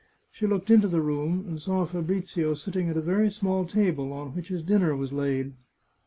She looked into the room and saw Fabrizio sitting at a very small table, on which his dinner was laid.